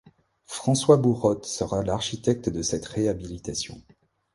François Bourotte sera l'architecte de cette réhabilitation.